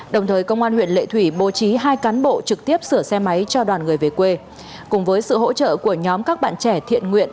đồng thời công an huyện lệ thủy bố trí hai cán bộ trực tiếp sửa xe máy cho đoàn người về quê cùng với sự hỗ trợ của nhóm các bạn trẻ thiện nguyện